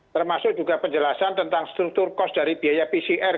termasuk juga penjelasan tentang struktur cost dari biaya pcr